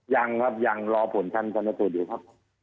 ยังครับยังรอผลการชนสูตรอยู่ครับ